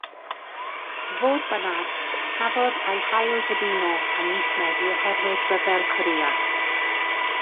Fodd bynnag, cafodd ei hail-fyddino ym mis Medi oherwydd Rhyfel Corea.